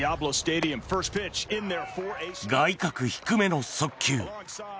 外角低めの速球。